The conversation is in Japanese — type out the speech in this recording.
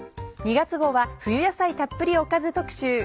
２月号は冬野菜たっぷりおかず特集。